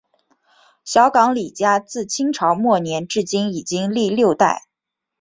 小港李家自清朝末年至今已经历六代。